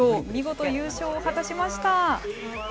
見事、優勝を果たしました。